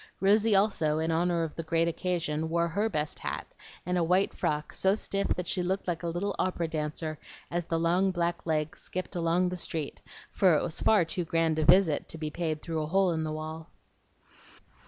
Rosy also, in honor of the great occasion, wore HER best hat, and a white frock so stiff that she looked like a little opera dancer as the long black legs skipped along the street; for it was far too grand a visit to be paid through a hole in the wall.